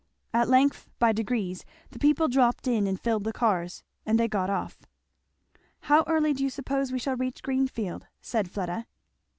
At length, by degrees the people dropped in and filled the cars, and they get off. "How early do you suppose we shall reach Greenfield?" said Fleda.